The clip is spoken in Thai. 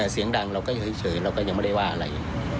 เสียงดังเราก็อยู่เฉยเราก็ยังไม่ได้ว่าอะไร